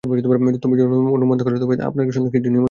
তবে যদি অনুমোদন করেন তবে আপনার সন্তানকে কিছু নিয়মরীতি বেধে দিন।